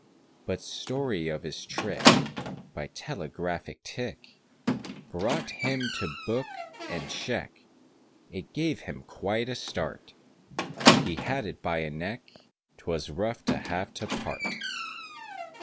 But story of his trick, By telegraphic tick, Brought him to book, and check, It gave him quite a start, He had it by a neck, 'Twas rough to have to part!